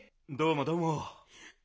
どうもどうも。